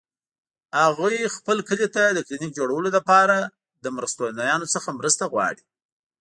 هغوی خپل کلي ته د کلینیک جوړولو لپاره له مرستندویانو څخه مرسته غواړي